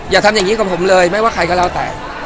ทำอย่างนี้กับผมเลยไม่ว่าใครก็แล้วแต่